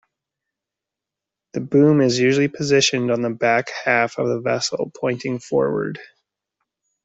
The boom is usually positioned on the back half of the vessel, pointing forward.